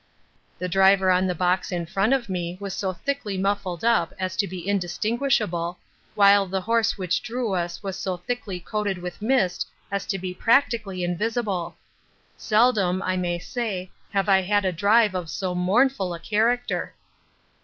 The driver on the box in front of me was so thickly muffled up as to be indistinguishable, while the horse which drew us was so thickly coated with mist as to be practically invisible. Seldom, I may say, have I had a drive of so mournful a character.